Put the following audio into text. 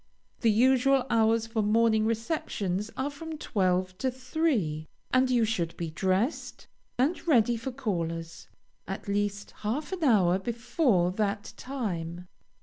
The usual hours for morning receptions are from twelve to three, and you should be dressed, and ready for callers, at least half an hour before that time.